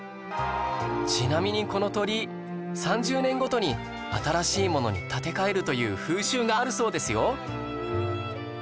ちなみにこの鳥居３０年ごとに新しいものに建て替えるという風習があるそうですよ